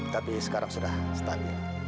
tapi sekarang sudah stabil